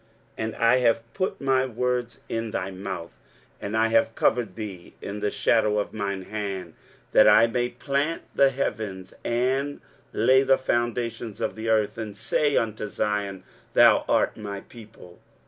23:051:016 And I have put my words in thy mouth, and I have covered thee in the shadow of mine hand, that I may plant the heavens, and lay the foundations of the earth, and say unto Zion, Thou art my people.